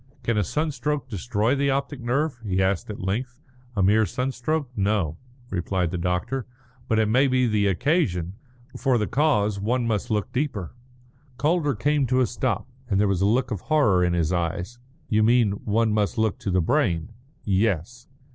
"Can a sunstroke destroy the optic nerve?" he asked at length. "A mere sunstroke? No," replied the doctor. "But it may be the occasion. For the cause one must look deeper." Calder came to a stop, and there was a look of horror in his eyes. "You mean one must look to the brain?" "Yes."